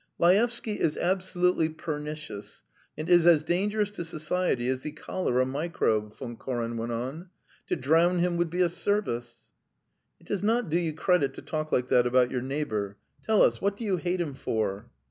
"Laevsky is absolutely pernicious and is as dangerous to society as the cholera microbe," Von Koren went on. "To drown him would be a service." "It does not do you credit to talk like that about your neighbour. Tell us: what do you hate him for?"